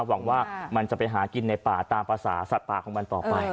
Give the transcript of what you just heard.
หวังว่ามันจะไปหากินในป่าตามภาษาสัตว์ป่าของมันต่อไป